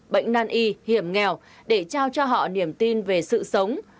bệnh nan y hiểm nghèo để trao cho họ niềm tin về sự sống